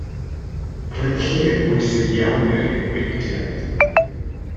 Roedd y lle yn bwysig iawn i'r hen Bictiaid.